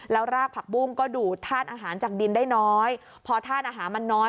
แล้วรากผักบุ้งก็ดูดธาตุอาหารจากดินได้น้อยพอธาตุอาหารมันน้อย